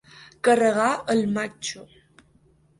Carregar el matxo.